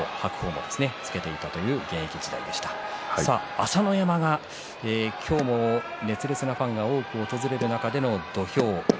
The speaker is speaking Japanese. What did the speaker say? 朝乃山、今日も熱烈なファンが多く訪れる中の土俵です。